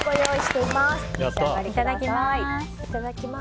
いただきます。